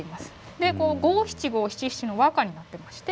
でこう五七五七七の和歌になってまして。